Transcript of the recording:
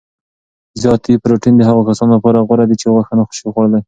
نباتي پروټین د هغو کسانو لپاره غوره دی چې غوښه نه شي خوړلای.